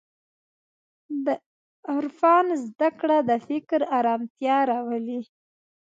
د عرفان زدهکړه د فکر ارامتیا راولي.